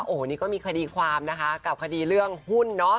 โอ้โฮนี่ก็มีคดีความกับคดีเรื่องหุ้น